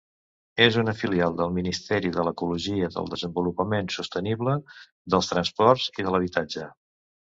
És una filial del Ministeri de l'Ecologia, del Desenvolupament Sostenible, dels Transports i de l'Habitatge.